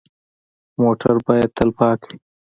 موټر باید تل پاک وي.